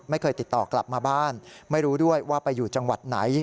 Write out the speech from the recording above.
ไม่เคยติดต่อกลับมาบ้านไม่รู้ด้วยว่าไปอยู่จังหวัดไหน